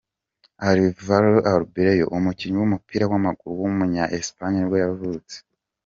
Álvaro Arbeloa, umukinnyi w’umupira w’amaguru w’umunya Espagne nibwo yavutse.